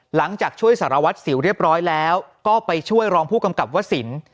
หลังจากช่วยสารวัตรสิวเรียบร้อยแล้วก็ไปช่วยรองผู้กำกับวสิน